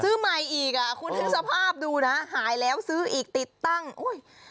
ซื้อใหม่อีกอ่ะคุณนึกสภาพดูนะหายแล้วซื้ออีกติดตั้งอุ้ย